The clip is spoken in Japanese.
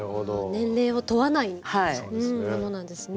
年齢を問わないものなんですね。